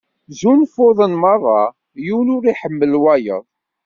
Zzunfuḍen merra, yiwen ur iḥemmel wayeḍ.